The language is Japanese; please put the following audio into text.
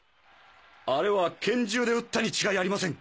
あれは拳銃で撃ったに違いありません！